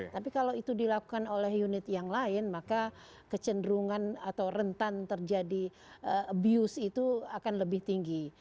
tapi kalau itu dilakukan oleh unit yang lain maka kecenderungan atau rentan terjadi abuse itu akan lebih tinggi